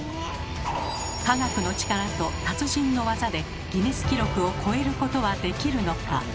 科学の力と達人の技でギネス記録を超えることはできるのか。